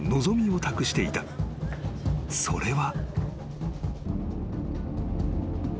［それは］